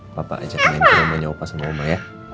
papa ajak main ke rumahnya opa sama oma ya